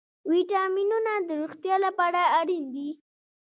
ویټامینونه د روغتیا لپاره اړین دي